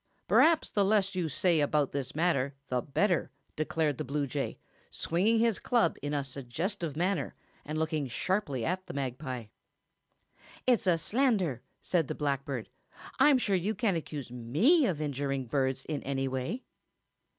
"Perhaps the less you say about this matter the better," declared the bluejay, swinging his club in a suggestive manner, and looking sharply at the magpie. "It's a slander," said the blackbird. "I'm sure you can't accuse me of injuring birds in any way."